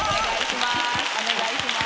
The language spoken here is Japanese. お願いします